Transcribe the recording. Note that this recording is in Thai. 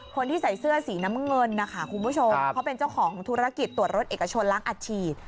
คนที่ใส่เสื้อสีน้ำเงินนะคะคุณผู้ชมเขาเป็นเจ้าของธุรกิจตรวจรถเอกชนล้างอัดฉีด